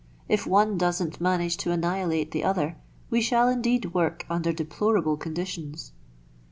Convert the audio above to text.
If one doesn't manage to annihilate the other, we shall indeed work under deplorable conditions."